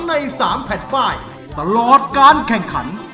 ใน๓แผ่นป้ายตลอดการแข่งขัน